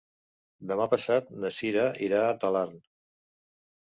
Demà passat na Cira irà a Talarn.